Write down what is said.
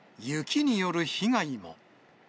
雪による被害も。